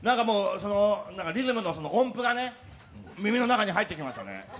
リズムの音符がね、耳の中に入ってきましたね。